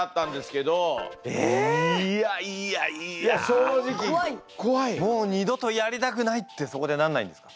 正直もう二度とやりたくないってそこでなんないんですか？